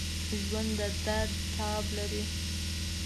ژوندي د درد تاب لري